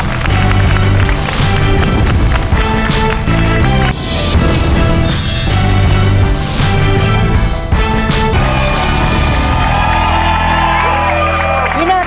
ขอบคุณองค์เที่ยวนี้ครับ